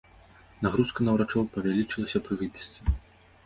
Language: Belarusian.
Нагрузка на ўрачоў павялічылася пры выпісцы.